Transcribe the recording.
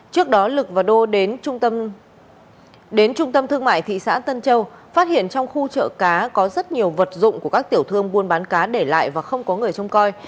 trước đó lực và đô đến trung tâm đến trung tâm thương mại thị xã tân châu phát hiện trong khu chợ cá có rất nhiều vật dụng của các tiểu thương buôn bán cá để lại và không có người trông coi